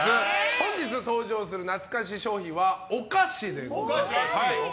本日登場する懐かし商品はお菓子でございます。